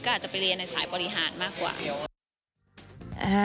ก็อาจจะไปเรียนในสายบริหารมากกว่าเยอะ